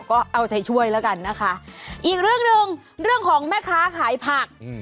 ก็เอาใจช่วยแล้วกันนะคะอีกเรื่องหนึ่งเรื่องของแม่ค้าขายผักอืม